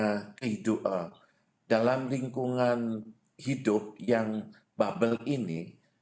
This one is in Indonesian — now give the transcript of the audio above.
komite kita bahwa sesungguhnya dalam lingkungan hidup yang bubble ini